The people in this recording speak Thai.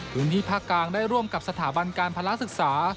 พื้นที่ภาคกลางได้ร่วมกับสถาบันการภาระศึกษา